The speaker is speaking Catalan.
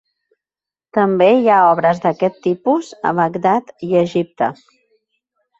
També hi ha obres d'aquest tipus a Bagdad i a Egipte.